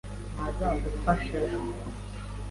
ntazadufasha ejo.